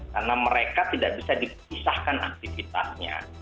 karena mereka tidak bisa dipisahkan aktivitasnya